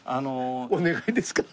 お願いですから。